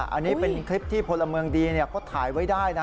อันนี้เป็นคลิปที่พลเมืองดีเขาถ่ายไว้ได้นะ